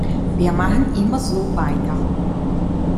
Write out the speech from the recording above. Wir machen immer so weiter.